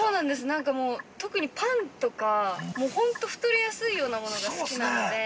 なんかもう特にパンとか、もう、ほんと太りやすいようなものが好きなので。